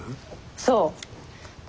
そう。